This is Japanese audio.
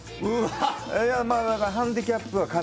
いやまあだからハンディキャップはかなり。